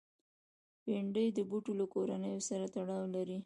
بېنډۍ د بوټو له کورنۍ سره تړاو لري